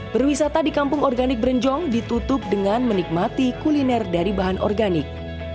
berwisata di kampung organik berenjong ditutup dengan menikmati kuliner dari bahan organik